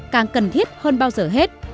càng cần thiết hơn bao giờ hết